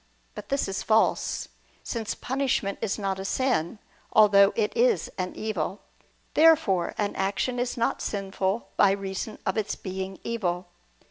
But this is false: since punishment is not a sin, although it is an evil. Therefore an action is not sinful by reason of its being evil.